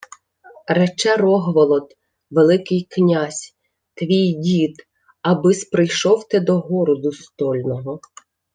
— Рече Рогволод, Великий князь, твій дід, аби-с прийшов ти до городу стольного.